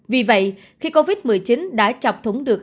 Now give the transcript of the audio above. vì vậy khi covid một mươi chín đã chọc thủng được